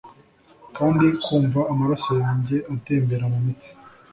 kandi kumva amaraso yanjye atembera mumitsi